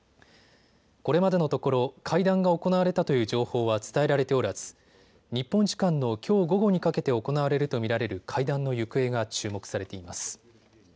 これまでのところ会談が行われたという情報は伝えられておらず日本時間のきょう午後にかけて行われると見られる会談の行方が注目されています。